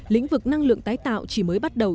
lĩnh vực năng lượng tái tạo chỉ mới bắt đầu